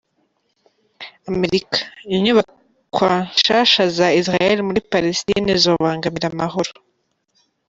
Amerika: Inyubakwa nshasha za Israel muri Palestine zobangamira amahoro.